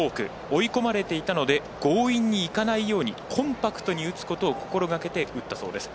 追い込まれていたので強引にいかないようにコンパクトに打つことを心がけて打ったそうです。